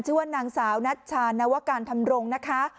ชื่อว่านางสาวนัชชานวการทำรงค์นะคะ